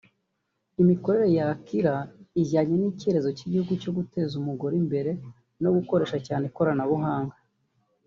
Imikorere ya Akilah ijyanye n’icyerekezo cy’igihugu cyo guteza umugore imbere no gukoresha cyane ikoranabuhanga